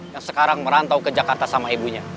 yang sekarang merantau ke jakarta sama ibunya